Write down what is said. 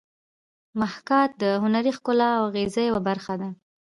محاکات د هنري ښکلا او اغېز یوه برخه ده